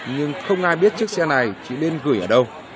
nhưng không ai biết chiếc xe này chị nên gửi ở đâu